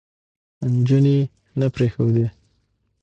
نجونې يې نه پرېښودې،